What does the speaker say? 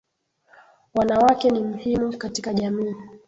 Wanawake ni mhimu katika jamii.